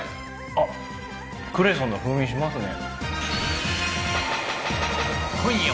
あっクレソンの風味しますね